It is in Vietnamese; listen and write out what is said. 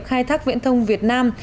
khai thác viễn thông việt nam